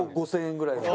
５０００円ぐらいの。